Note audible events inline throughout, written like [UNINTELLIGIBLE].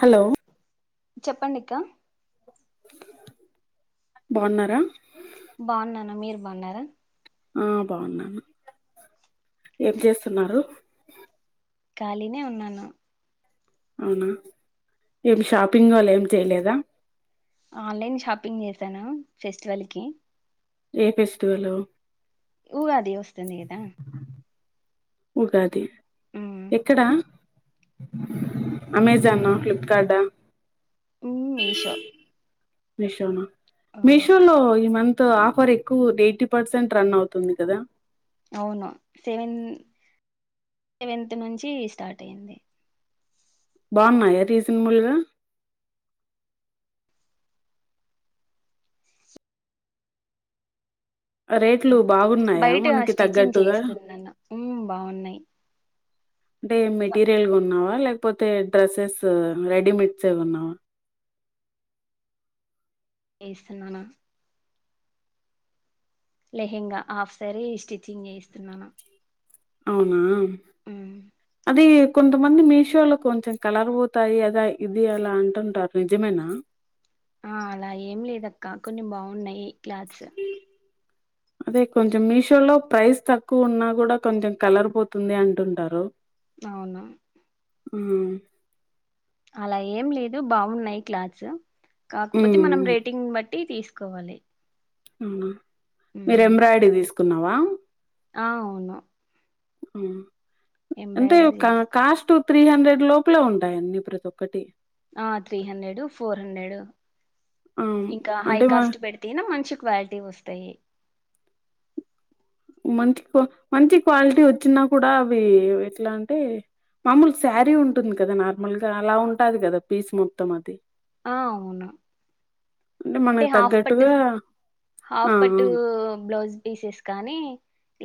Hello చెప్పండి అక్క బావున్నారా బావున్నాను మీరు బావున్నారా ఊ బావున్నాను ఏం చేస్తున్నారు. ఖాళీనే ఉన్నాను అవునా ఏం షాపింగ్ వాల్ ఏం చేయలేదా ఆన్లైన్ షాపింగ్ చేసాను ఫెస్టివల్ కి ఏ ఫెస్టివలు ఉగాది వస్తుంది గదా ఉగాది ఎక్కడా అమెజానా ఫ్లిప్కార్టా ఉమ్, మీషో మీషోనా అవును మీషో లో ఈ మంత్ తో ఆఫర్ ఎక్కువ ఎయిర్టీ పర్సెంట్ రన్ అవుతుంది కదా అవును సెవెన్ సెవెన్త్ నుంచి స్టార్ట్ అయ్యింది బాగున్నాయా రీజన్బుల్గా రేట్లు బాగున్నాయా బయట ఆ మనకి స్టిచ్చింగ్ తగ్గట్టుగా చేయిస్తున్నాను బావున్నాయి అంటే మెటీరియల్ గోన్నావా అ లేకపోతే రెడిమెడ్స్ ఎమన్న చేస్తున్నానా లెహెంగా హాఫ్ సారీ స్టిచ్చింగ్ వేయిస్తున్నాను అవునా, అది కొంతమంది మీషోలో కొంచెం కలర్ పోతాయి అదా ఇది అలా అంటుంటారు నిజమేనా ఆ అలా ఏం లేద అక్క కొన్ని బాగున్నాయి క్లాత్స్ అదే కొంచెం మీషో లో ప్రైస్ తక్కువ ఉన్నా కూడా కొంచెం కలర్ పోతుంది అంటుంటారు అవునా మ్... అలా ఏం లేదు బాగున్నాయి క్లాస్ కాకపోతే మనం హ్మ్ రేటింగ్ బట్ టీ తీసుకోవాలి అవునా మీరు మ్మ్ ఎంబ్రాయిడరీ తీసుకున్నా వా ఆ అవును అ అంటే ఎంబ్రాయిడరీ తీసుకో కాస్ట్ త్రీ హండ్రెడ్ లోపలే ఉంటాయిన్నీ ప్రతి ఒక్కటి ఆ త్రీ హండ్రెడ్ ఫోర్ హండ్రెడ్ ఆ ఇంకా హై అంటే మా కాస్ట్ పెడితేనా మంచి క్వాలిటీ వస్తాయి మంచి క్వా.. మంచి క్వాలిటీ వచ్చినా కూడా అవి ఎట్లా అంటే మామూలు సారీ ఉంటుంది కదా నార్మల్ గా అలా ఉంటుంది కదా పీస్ మొత్తం అది ఆ అవును అంటే మనకు హాఫ్ పట్టు తగ్గట్టుగా ఆ! హాఫ్ ఆ! పట్టు బ్లౌజ్ పీసెస్ కానీ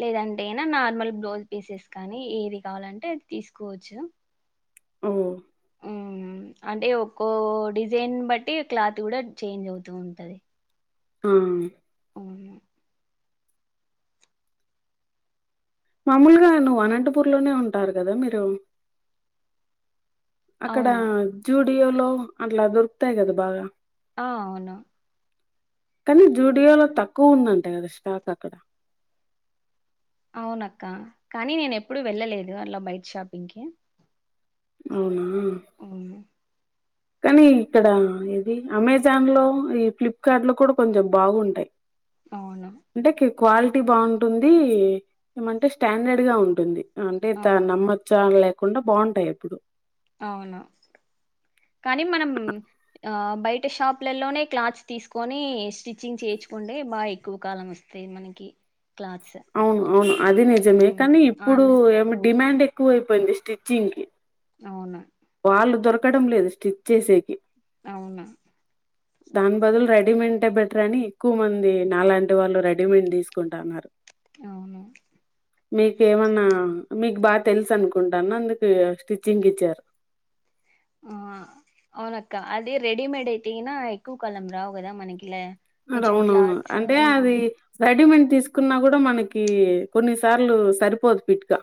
లేదంటే ఏనా నార్మల్ బ్లౌజ్ పీసెస్ కానీ ఏది కావాలంటే అది తీసుకోవచ్చు ఓ మ్... అంటే ఒక్కో డిజైన్ బట్టి క్లాత్ కూడా చేంజ్ అవుతూ ఉంటది హు అవును మామూలుగా నువ్వు అనంతపూర్ లోనే ఉంటారు కదా మీరు అక్కడ అవును జూన్ డియో లో అట్లా దొరుకుతాయి కదా బాగా ఆ అవును కానీ జూడియోలో తక్కువ ఉందంట కదా స్టాక్ అక్కడ అవున అక్క కానీ నేను ఎప్పుడు వెళ్ళలేదు అట్లా బైట్ షాపింగ్ కి అవునా ఔను కానీ ఇక్కడ ఏది అమెజాన్ లో ఈ ఫ్లిప్కర్ట్ లో కూడా కొంచెం బాగుంటాయి అవునా అంటే కి క్వాలిటీ బాగుంటుంది ఏమంటే స్టాండర్డ్ గా ఉంటుంది అంటే తా అవును నమ్మొచ్చా లే కాకుండా బాగుంటాయి ఎప్పుడు అవునా కానీ మనం ఆ బయట షాపులలోనే క్లాత్ తీసుకొని స్టిచ్చింగ్ చేయించుకుంటే బాగా ఎక్కువ కాలం వస్తాంది మనకి క్లాత్స్ అవును అవును అది నిజమే ఉమ్ కానీ ఇప్పుడు ఆన్లైన్ ఏమి డిమాండ్ కు [UNINTELLIGIBLE] స్టిచింగ్కి అవును వాళ్ళ దొరక్క ఎక్కడం లేదు స్టిచ్ చేసేకి అవున దాని బదులు రెడీమెంటే బెటర్ అని ఎక్కువ మంది నాలాంటి వాళ్ళు రెడీమేడ్ తీసుకుంటాన్నారు. అవును మీకేమన్నా మీకు బా తెలుసనుకుంటాన్న అందుకే స్టిచ్చింగ్ ఇచ్చారు. ఆ అవునక్క అదే రెడిమేడ్ అయితేగిన ఎక్కువ కాలం రావు కదా మనకిల అవునవును అంటే అది రెడిమెంట్ తీసుకున్నా కూడా మనకి కొన్ని సార్లు సరిపోదు పిట్ గా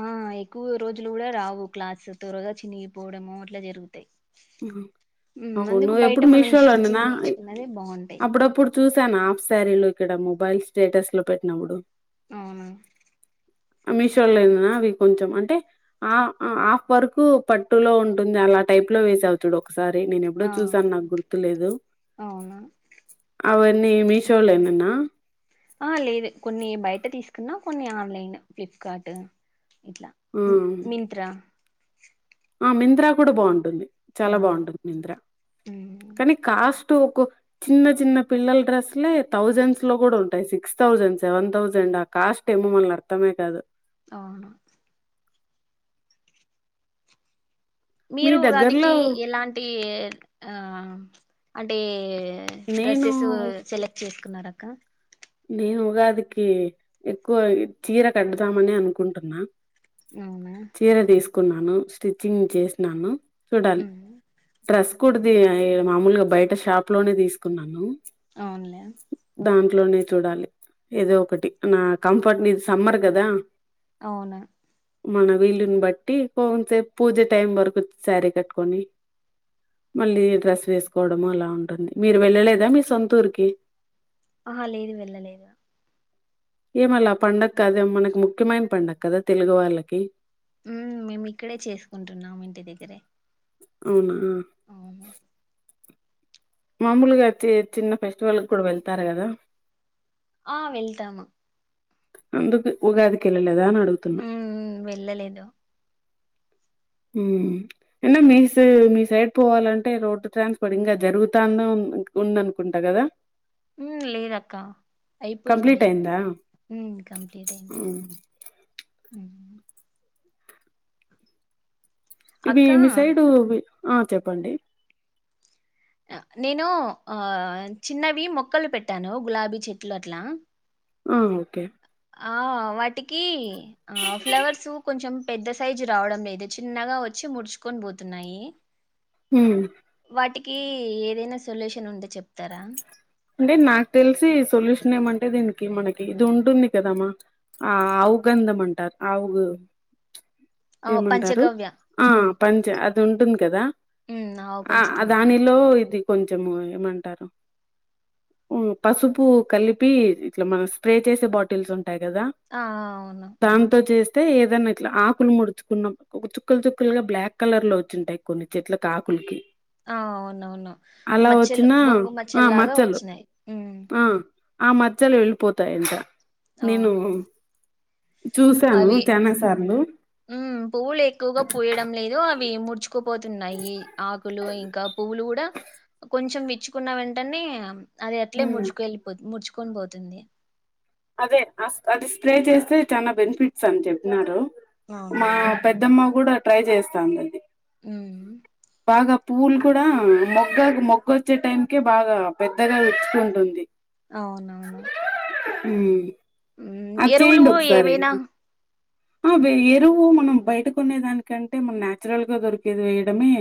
ఆ ఎక్కువ రోజులు కూడా రావు క్లాత్స్ త్వరగా చినిగిపోవడము అట్లా జరుగుతయి. ఆ అవును ఎప్పుడు మనం మిషోలో నేనా స్టిచ్చింగ్ నేర్చుకున్నది బాగుంటాయి అప్పుడప్పుడు చూసాను ఆఫ్ సారీలు ఇక్కడ మొబైల్ స్టేటస్ లో పెట్టినప్పుడు అవునా అ మిషోలొనె నా అవి కొంచం అన్ టే అ ఆఫ్ వర్కు పట్టులో ఉంటుంది అలా టైప్ ప్ లో వేసావు చూడు ఒక్ కసారి నేను ఎప్పుడో ఆ చూసాను నాకు గుర్తులేదు. అవునా అవన్నీ మీషోలొనె నా ఆ లేదు కొన్ని బయట తీసుకున్నా కొన్ని ఆన్లైన్ ఫ్లిప్కార్ట్ ఇట్ల ఆ మింత్రా ఆ మింత్రా కూడా బాగుంటుంది. చాలా అవును బాగుంటుంది మింత్రా మ్మ్ కానీ కాస్ట్ అటు ఒక చిన్న చిన్న పిల్లల డ్రెస్లే తౌజండ్స్ లో కూడా ఉంటాయి సిక్స్ తౌసండ్ సెవెన్ తౌజండ్ ఆ కాస్ట్ ఏమో మల్ల అర్థమే కాదు. అవును మీ మీరు ఉగాదికి దగ్గరలో ఎలాంటి ఆ అంటే నేను డ్రస్సేస్సు సెలెక్ట్ చేస్ కున్నారా అక్క నేను ఉగాదికి ఎక్కువ చీర కడదామనే అనుకుంటున్నా అవునా కున్నాను స్టిచ్చింగ్ చేసినాను. చూడాలి. మ్మ్ డ్రస్ కూడ తీ మాములుగా బయట షాప్ లోనే తీసుకున్నాను. అవున్లె దాంట్లోనె చూడాలి ఏదో ఒకటి నా కంఫర్ట్ మీద సమ్మర్ కదా అవున మన వీలుని బట్టి కొన్సేపు పూజ టైం వరకు సారీ కట్టుకొని మళ్ళీ డ్రస్ వేసుకోవడము అలా ఉంటుంది మీరు వెళ్ళలేదా మీ సొంతూర్కి? ఆహా లేదు వెళ్ళలేదు. ఏం అలా పండగ కదా అది మనకి ముఖ్యమైన పండగ కదా తెలుగు వాళ్ళకి. హుమ్ మేము ఇక్కడే చేసుకుంటున్నాం ఇంటి దగ్గరె అవునా ఆహ్ మామూలుగైతే చిన్న ఫెస్టివల్ కూడా వెళ్తారు కదా ఆ వెళ్తాము అందుకు ఉగాదికి వెళ్లలే లేదా అడుగుతున్నా మ్మ్ వెళ్ళలేదు హు ఎందుకు మీ సె మీ సైడ్ పోవాలంటే, రోడ్డు ట్రాన్స్పోర్ట్ ఇంకా జరుగుతాంద ఉందనుకుంటా కదా హు లేదక్క కంప్లీట్ అయిపోయింది అయిందా? హు కంప్లీట్ అయింది హ్మ్. ఇవి అక్క మీ సైడువి ఆ చెప్పండి నేను ఆ చిన్నవి మొక్కలు పెట్టాను గులాబీ చెట్లు అట్లా ఆ ఓకే ఆ వాటికి ఆ ఫ్లవర్స్ కొంచం పెద్ద సైజు రావడం లేదు, చిన్నగా వచ్చి ముడుచుకొని పోతున్నాయి. హు వాటికి ఏదైనా సొల్యూషన్ ఉంటే చెప్తారా అంటే నాకు తెలిసి సొల్యూషన్ ఏమంటే దీనికి మనకి ఇది ఉంటుంది కాదమ్మా, ఆ ఆవు గంధం అంటారు ఆవు ఆ ఏమంటారు పంచగవ్య ఆ మ్మ్ పంచ ఆత్ ఉంటుంద్ కదా మ్మ్ ఆవు ఆ పంచితం దానిలో ఇది కొంచం ఏమంటారు ఉ పసుపు కలిపి ఇట్లా మన స్ప్రే చేసే బాటిల్స్ ఉం టాయి కదా ఆ అవును తాంతో చే అయితే ఏదన్నా ఇట్లా ఆకులు ముడుచుకున్న, ఒక చుక్కలు చుక్కలుగా బ్లాక్ కలర్ లో వచ్చింటాయి కొన్ని చెట్లకుకి ఆకులకి ఆ అవునవును అలా మచ్చలు వచ్చిన బొంగు ఆ మచ్చలాగా మచ్చలు వచ్చిన్ యి మ్ ఆ ఆ మచ్చలు వెళ్ళిపోతాయంట నేను అవును చూసాను అవి చానా సార్లు హ్మ్ పువ్వులు ఎక్కువగా పూయడం లేదు అవ్ ముడ్చుకుపోతున్నాయి ఈ ఆకులు ఇంక పువ్వులు కూడ కొంచం విచ్చుకున్న వెంటనే అది అట్లే ఉమ్ ముడ్చుకేలిపోద్ ముడుచు కొనిపోతుంది అదే అస్ అది స్ప్రే చేస్తే చానా బెనిఫిట్స్ అని చెప్నారు మా అవునవును పెద్దమ్మా గూడ ట్రై చేస్తాంలెండి హ్మ్ బాగా పువ్వుల్ కూడ మొగ్గకు మొగ్గోచ్చే టైంకే బాగా పెద్దగ విచ్చుకుంటుంది అవునా హ్మ్ అద్ చేయండి ఒకసారి ఏవైనా ఆహ్ వే ఎరువు మనం బయట కొనే దానికంటే మనం నాచురల్గా దొరికేది వేయడమే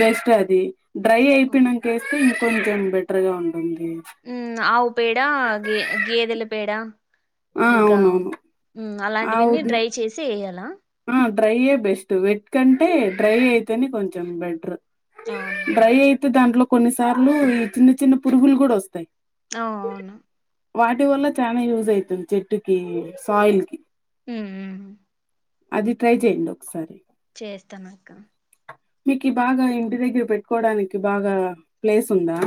బెస్ట్ అది. డ్రై అయిపోయినంకేత్తే ఇం కొంచం బెటర్గా ఉంటుం ఉమ్ ఆవు పేడ గే గేదెల పేడ ఆ అవునవును అలాంటివెన్నీ డ్రై చేసి ఎయాల ఆహ్ డ్రైయే బెస్ట్ వెట్ కంటే డ్రై అయితేనే కొంచం బెట్రు డ్రై అవునవును అయితే దాంట్లో కొన్నిసార్లు ఈ చిన్న చిన్న పురుగులు కూడ వ స్తాయి. ఆ అవును వాటి వల్ల చానా యూజ్ అయితుంది చెట్టుకి సాయిల్ కి హుమ్ ఊ అది ట్రై చేయండి ఒకసారి చేస్తానక్క మీకి బాగా ఇంటి దగ్గర పెట్టుకోడానికి బాగా ప్లేస్ ఉందా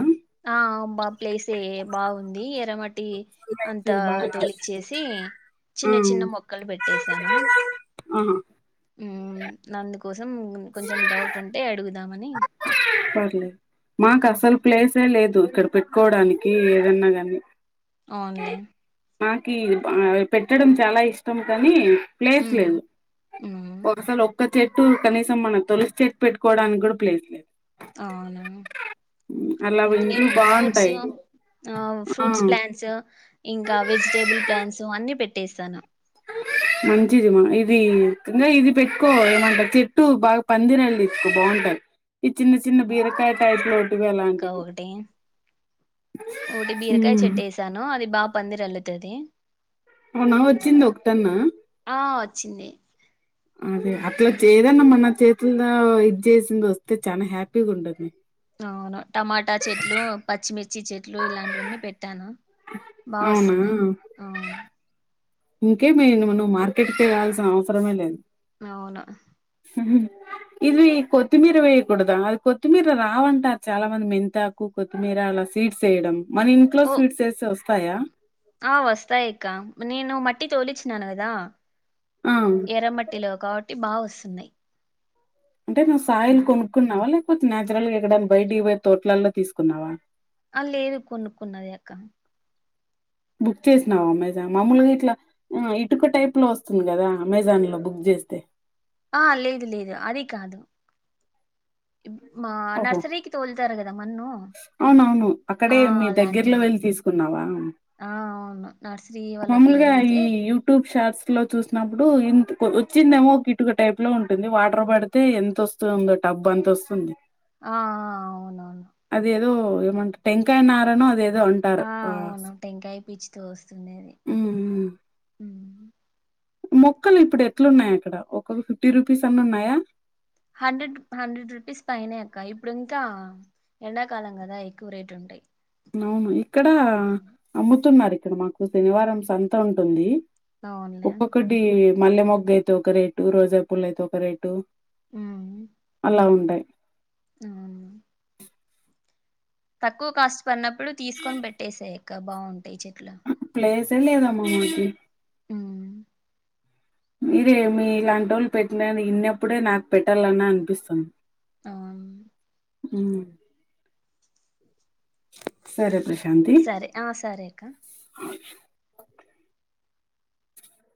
ఆ బా ప్లేసె బాగుంది ఎరమట్ ఇ అంతా చదువు బాగా తోలిచ్చేసి చిన్న ఆ చిన్న మొక్కలు పెట్టసాను. ఆహా ఉహ్ నందుకు. కోసం కొంచెం డౌట్ ఉంటే అడుగు. పర్లేదు మాకు అసలు ప్లేసే లేదు. ఇక్కడ పెట్టుకోవడానికి ఏదన్నా గాని ఆన్లైన్ నాకి ఆ పెట్టడం చాలా ఇష్టం కానీ ప్లేస్ ఉమ్ లేదు ఉమ్ ఒక్కలఒక్కత్ చెట్టు కనీసం మన తొలసి చెట్టు పెట్టుకోవడానికి కూడా ప్లేస్ లేదు అవునా ఉమ్, అలా ఇంట్లు నేను ఫ్రూట్స్ బాగుంటాయి ఆ ఫ్రూట్స్ ప్లాంట్స్ ఇంకా వెజిటేబుల్ ప్లాంట్స్ అన్ని పెడతా టేసనా మంచిది మా ఇది ఇది పెట్టుకో ఏమంటారు. చెట్టు బాగా పందిరల్లిచ్చుకో బాగుంటది. ఈ చిన్న చిన్న బీరకాయ టైప్ లో ఇంకా ఓకటి ఓటి బీరకాయ ఉమ్. చెట్టు వేసాను అది బాగప పందిరల్లుతది అవునా వచ్చిందా ఒకటన్నా ఆ వచ్చింది అదే అట్లా ఏదన్నా మన చేతుల్ద ఇది చేసింది వస్తే చానా హ్యాపీగా ఉంటుంది అవున్ టమాటా చెట్లు పచ్చిమిర్ మిర్చి చెట్లు ఇలాంటివన్నీ పెట్ పెట్టాను అవునా బావొస్తున్నాయి అవును ఇంకేమి నువు నువ్వు మార్కెట్కి వెళ్ళాల్సిన అవసరమే లేదు అవును ఇది కొత్తిమీర వేయకూడదా అది కొత్తిమీర రావంటారు చాలా మంది మెంతాకు కొత్తిమీర అలా సీడ్స్ వేయడం మన ఇంట్లో ఓ సీడ్స్ వేస్తే వస్ వస్తాయా ఆ వస్తాయి అక్క నేను మట్టి తోలిచ్చినాను కదా ఆ ఎరమట్టి లో కాబ కాబట్టి బాగా వస్తున్నాయి అంటే నువ్వు సాయిలు ఉమ్. కొనుక్కున్నావా నాచురల్ గా ఎక్కడైనా బయటి పోయి తోట్లల్లో తీసుకున్నావా అ లేదు కొనుక్కున్నదే అక్క బుక్ చేసినావ అమెజాన్ మామూలుగా ఇట్లా ఇటుక టైప్ లో వస్తుంది కదా అమెజాన్ లో బుక్ చేస్తే ఆ లేదు లేదు అది కాదు ఇప్- మా ఓహో నర్సరీకి తోలుతారు కదా మన్ను అవునవును అక్కడే ఆ మీ దగ్గరలో అలాంటిది వెళ్ళి తీసుకున్నావా ఆ అవును నర్సరీ వాళ్ళకి మామూలుగా అడిగితే ఈ యూట్యూబ్ షాట్స్ లో చూసినప్పుడు ఇంత వచ్చిందేమో ఒక ఇటుక టైప్ లో ఉంటుంది వాటర్ పడితే ఎంత వస్తుందో టబ్బ అంత వస్తుంది ఆ అవునవును అదేదో ఏమంట టెంకాయ నారనో అదేదో ఏదో అంటారు ఆ వస్తుండేది ఉమ్ మొక్కలు ఇప్పుడు ఎట్లున్నై అక్కడ ఒక్కటి ఫిఫ్టీ రూపీస్ అన్న ఉన్నాయా హండ్రెడ్ రూ హండ్రెడ్ రూపీస్ పైనే అక్క ఇప్పుడు ఇంకా ఎండాకాలం కదా ఎక్కువ రేట్ ఉంటాయి అవును ఇక్కడ అమ్ముతున్నారీ ఇక్కడ మాకు శనివారం సంత ఉంటుంది అవునులే ఒక్కొక్కటీ మల్లె మొగ్గ అయితే ఒక రేటు రోజా పూలు అయితే ఒక రేటు అలా ఉంటాయి ఆ తక్కువ కాస్ట్ పన్నప్పుడు తీసుకొని పెట్టేసేయ్ ఇంకా బాగుం ఈ చెట్లు తెలియదు అమ్మ మాకి ఆ మీరే మీ లాంటోళ్లు పెట్టిననీ విన్నప్పుడే నాకు పెట్టాలని అనిపిస్తుంది అవున హ్మ్ సరే ప్రశాంతి సరే ఆ సరే అక్క